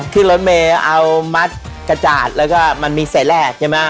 ขึ้นรถเมเอามัดกระจาดแล้วก็มันมีเสร็จแหลกเห็นไหมฮะ